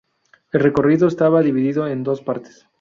El recorrido estaba dividido en dos partes.